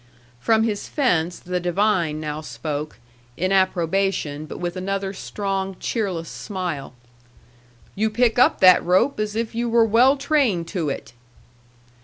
From his fence the divine now spoke, in approbation, but with another strong, cheerless smile. "You pick up that rope as if you were well trained to it."